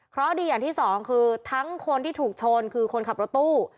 เพราะดีอย่างที่สองคือทั้งคนที่ถูกชนคือคนขับรถตู้